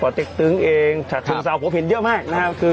ประติกตึงเองถัดถึงเศร้าโผพินเยอะมากนะครับ